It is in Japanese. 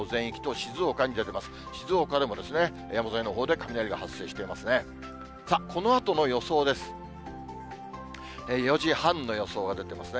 静岡でも山沿いのほうで雷が発生していますね。